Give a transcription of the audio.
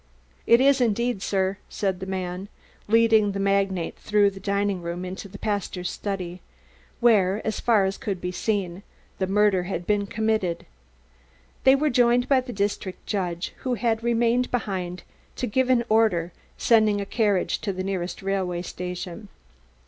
"It is, indeed, sir," said the man, leading the magnate through the dining room into the pastor's study, where, as far as could be seen, the murder had been committed. They were joined by the district judge, who had remained behind to give an order sending a carriage to the nearest railway station.